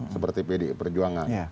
seperti pdi perjuangan